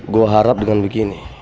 gue harap dengan begini